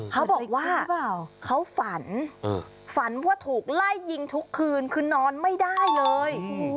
เขาบอกว่าเขาฝันฝันว่าถูกไล่ยิงทุกคืนคือนอนไม่ได้เลย